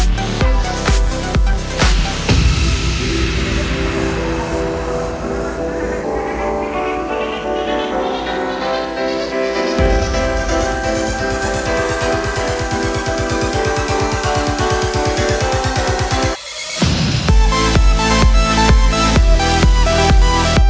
เพลง